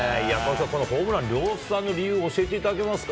このホームラン量産の理由、教えていただけますか？